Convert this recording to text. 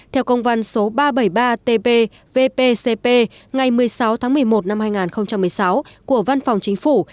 theo công văn số ba trăm bảy mươi ba tb vpcp ngày một mươi sáu tháng một mươi một năm hai nghìn một mươi sáu của văn phòng chính phủ